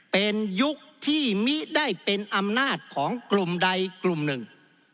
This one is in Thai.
เป็นยุคที่มิได้เป็นอำนาจของกลุ่มใดกลุ่มหนึ่ง